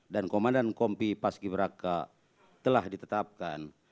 dan komandan kombi pas ki braka telah ditetapkan